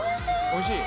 おいしい？